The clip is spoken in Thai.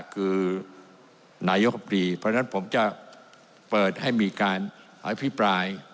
คือนายกรรมตรีเพราะฉะนั้นผมจะเปิดให้มีการอภิปราย